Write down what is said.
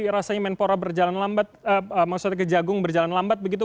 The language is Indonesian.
rasanya menpora berjalan lambat maksudnya kejagung berjalan lambat begitu